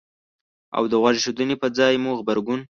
او د غوږ ایښودنې په ځای مو غبرګون